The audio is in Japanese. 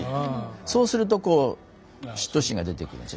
そうするとこう嫉妬心が出てくる。